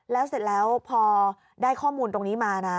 แล้วเสร็จแล้วพอได้ข้อมูลตรงนี้มานะ